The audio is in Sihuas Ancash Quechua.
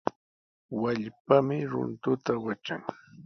Wallpami runtuta watran.